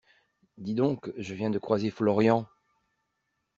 Dis donc, je viens de croiser Florian.